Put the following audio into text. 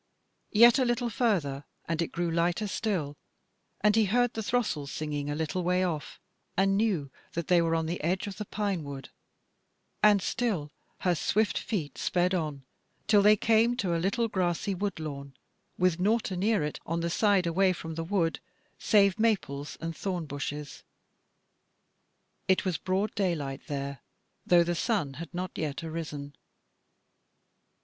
Yet a little further, and it grew lighter still, and he heard the throstles singing a little way off, and knew that they were on the edge of the pine wood, and still her swift feet sped on till they came to a little grassy wood lawn, with nought anear it on the side away from the wood save maples and thorn bushes: it was broad daylight there, though the sun had not yet arisen.